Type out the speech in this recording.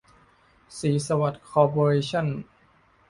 ศรีสวัสดิ์ คอร์ปอเรชั่น